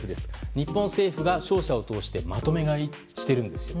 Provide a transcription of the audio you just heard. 日本政府が商社を通してまとめ買いしているんです。